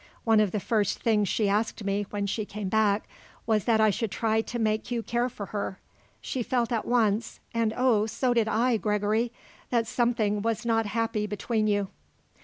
One of the first things she asked me when she came back was that I should try to make you care for her. She felt at once and oh! so did I, Gregory that something was not happy between you."